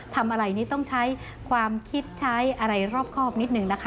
ทำอะไรนี้ต้องใช้ความคิดใช้อะไรรอบครอบนิดนึงนะคะ